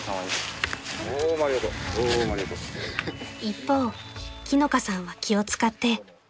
［一方樹乃香さんは気を使って］